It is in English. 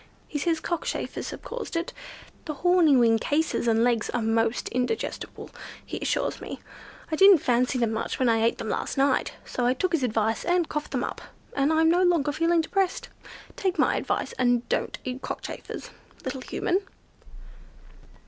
He says cockchafers have caused it. The horny wing cases and legs are most indigestible, he assures me. I didn't fancy them much when I ate them last night, so I took his advice and coughed them up, and I'm no longer feeling depressed. Take my advice, and don't eat cockchafers, little Human."